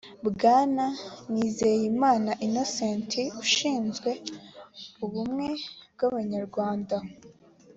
bwana nizeyimana inosenti ushinzwe ubumwe bw’abanyarwanda